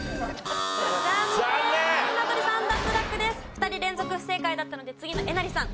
２人連続不正解だったので次のえなりさん